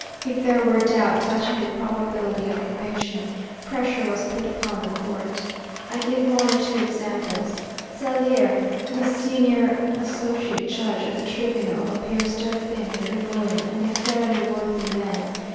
If there were doubt touching the probability of conviction, pressure was put upon the court. I give one or two examples: Scellier, the senior associate judge of the tribunal, appears to have been a good lawyer and a fairly worthy man.